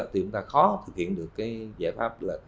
thì chúng ta khó thực hiện được giải pháp